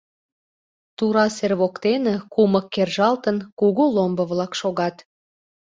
Тура сер воктене, кумык кержалтын, кугу ломбо-влак шогат.